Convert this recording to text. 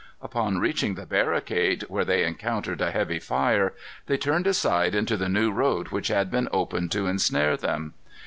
Upon reaching the barricade, where they encountered a heavy fire, they turned aside into the new road which had been opened to insnare them.